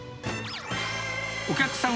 お客さん